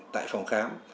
tại phòng khám